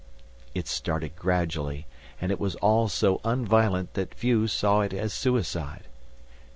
It started gradually, and it was all so un violent that few saw it as suicide.